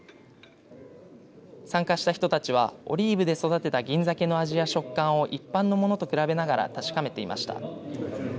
参加した人たちはオリーブで育てた銀ざけの味や食感を一般のものと比べながら確かめていました。